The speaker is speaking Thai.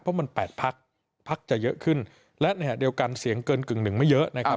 เพราะมัน๘พักพักจะเยอะขึ้นและขณะเดียวกันเสียงเกินกึ่งหนึ่งไม่เยอะนะครับ